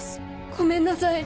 ごめんなさい